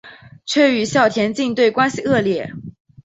却与校田径队关系恶劣。